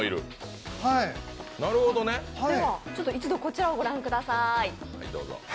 一度、こちらをご覧ください。